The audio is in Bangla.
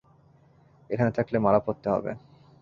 এখানে থাকলে মারা পড়তে হবে।